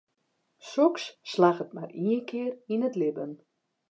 Soks slagget mar ien kear yn it libben.